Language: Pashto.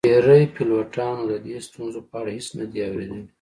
ډیری پیلوټانو د دې ستونزو په اړه هیڅ نه دي اوریدلي